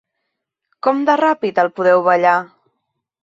Com de ràpid el podeu ballar?